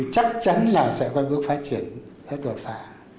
chắc chắn là sẽ có bước phát triển rất đột phá